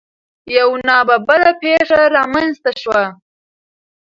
یو نا ببره پېښه رامنځ ته شوه.